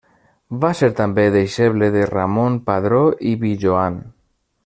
Va ser també deixeble de Ramon Padró i Pijoan.